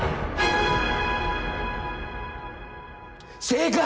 正解！